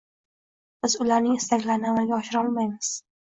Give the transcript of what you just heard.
biz ularning istaklarini amalga oshira olmaymiz.